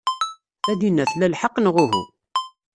Tanina tla lḥeqq, neɣ uhu?